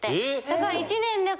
だから１年で。